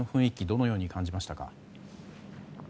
どのように感じましたか？